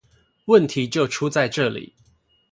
問題就出在這裡